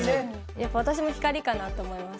やっぱ私も光かなと思います。